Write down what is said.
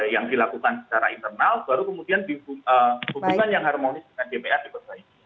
yang dilakukan secara internal baru kemudian hubungan yang harmonis dengan dpr diperbaiki